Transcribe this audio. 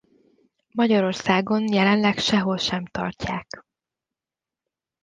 Magyarországon jelenleg sehol sem tartják.